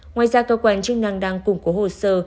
ngoài ra cơ quan chức năng đang củng cố hồ sơ